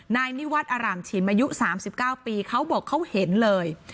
นายนิวัตรอร่ามชิมอายุ๓๙ปีเขาบอกเขาเห็นเลย